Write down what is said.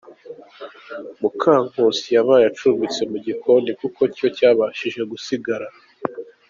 Mukankusi yabaye acumbitse mu gikoni kuko cyo cyabashije gusigara.